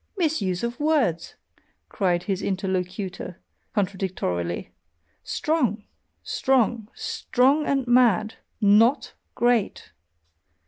"Misuse of words!" cried his interlocutor, contradictorily "strong! strong! Strong and mad! NOT great!"